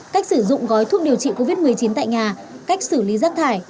cách sử dụng gói thuốc điều trị covid một mươi chín tại nhà cách xử lý rác thải